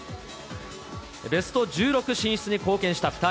ベスト１６進出に貢献した２人。